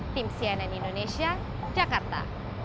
tim cnn indonesia jakarta